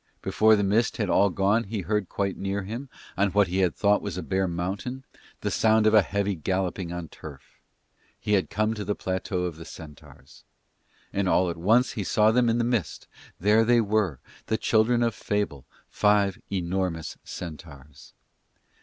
Before the mist had all gone he heard quite near him, on what he had thought was bare mountain, the sound of a heavy galloping on turf. He had come to the plateau of the centaurs. And all at once he saw them in the mist: there they were, the children of fable, five enormous centaurs.